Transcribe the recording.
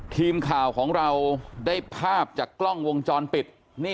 ทีมข่าวของเราได้ภาพจากกล้องวงจรปิด